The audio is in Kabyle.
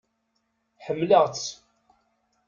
Ḥemmleɣ-tt!